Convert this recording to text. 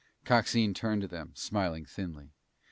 Coxine turned to them, smiling thinly.